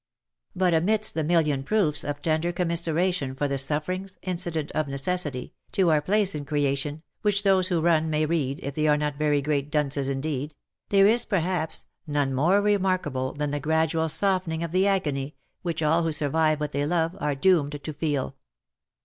But amidst the million proofs of tender commiseration for the suffer ings, incident of necessity, to our place in creation (which those who run may read, if they are not very great dunces indeed), there is, perhaps, none more remarkable than the gradual softening of the agony which all who survive what they love, are doomed to feel.